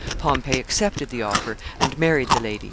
Pompey accepted the offer, and married the lady.